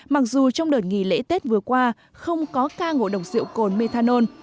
mặc dù trong đợt nghỉ lễ tết vừa qua không có ca ngộ độc rượu cồn methanol